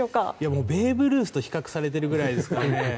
もうベーブ・ルースと比較されているぐらいですから。